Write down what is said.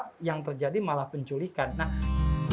keluarga lorsque tempoh sesuatu tidak akanames